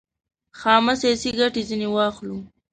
خامه سیاسي ګټه ځنې واخلو.